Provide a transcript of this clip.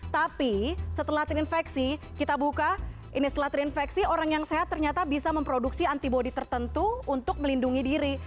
tapi setelah terinfeksi kita buka ini setelah terinfeksi orang yang sehat ternyata bisa memproduksi antibody tertentu untuk melindungi diri